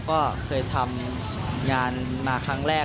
ก็เคยทำงานมาครั้งแรก